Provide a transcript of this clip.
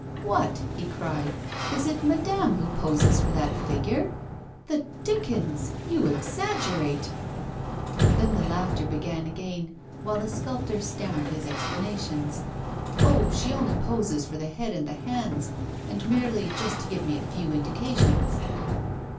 'What?' he cried, 'is it madame who poses for that figure? The dickens, you exaggerate!' Then the laughter began again, while the sculptor stammered his explanations. 'Oh! she only poses for the head and the hands, and merely just to give me a few indications.